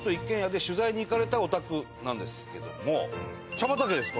茶畑です